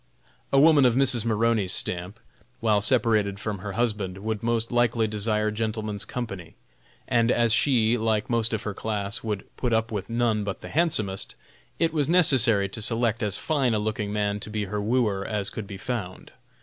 A woman of Mrs. Maroney's stamp, while separated from her husband, would most likely desire gentlemen's company, and as she, like most of her class, would put up with none but the handsomest, it was necessary to select as fine a looking man to be her wooer as could be found.